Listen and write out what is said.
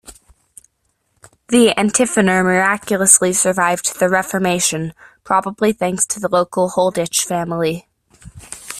The Antiphoner miraculously survived the Reformation, probably thanks to the local Holdych family.